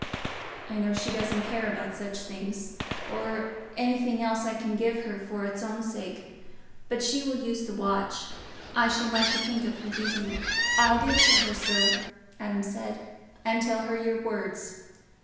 I know she doesn't care about such things—or anything else I can give her for its own sake. But she will use the watch—I shall like to think of her using it." "I'll give it to her, sir," Adam said, "and tell her your words.